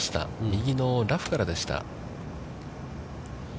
右のラフからでした。